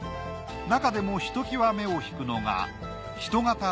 なかでもひときわ目を引くのが人型